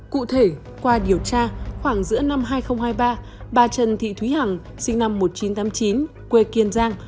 cụ thể qua điều tra khoảng giữa năm hai nghìn hai mươi ba bà trần thị thúy hằng sinh năm một nghìn chín trăm tám mươi chín quê kiên giang